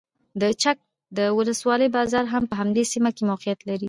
د چک د ولسوالۍ بازار هم په همدې سیمه کې موقعیت لري.